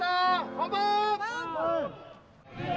本番！